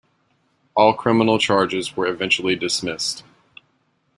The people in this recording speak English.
All criminal charges were eventually dismissed.